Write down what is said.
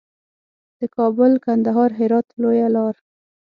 د کابل، کندهار، هرات لویه لار.